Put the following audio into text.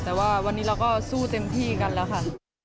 แต่ว่าวันนี้เราก็สู้เต็มที่กันแล้วค่ะ